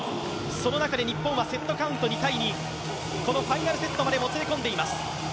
その中で日本はセットカウント２−２このファイナルセットまでもつれ込んでいます。